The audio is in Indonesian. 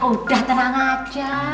udah tenang aja